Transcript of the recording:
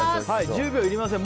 １０秒いりません。